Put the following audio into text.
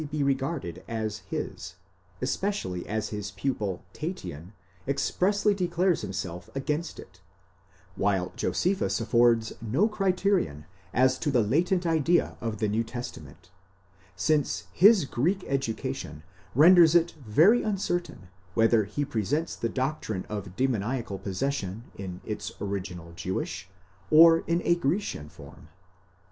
419 regarded as his, especially as his pupil Tatian expressly declares himself against it;*° while Josephus affords no criterion as to the latent idea of the New Testamant, since his Greek education renders it very uncertain whether he presents the doctrine of demoniacal possession in its original Jewish, or in a Grecian form.